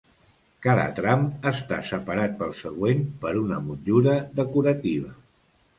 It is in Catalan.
Cada tram està separat pel següent per una motllura decorativa.